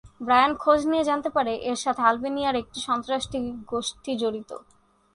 Brian খোঁজ নিয়ে জানতে পারে এর সাথে আলবেনিয়ার একটি সন্ত্রাসী গোষ্ঠী জড়িত।